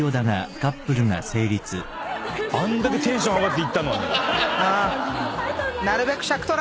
あんだけテンション上げて行ったのに。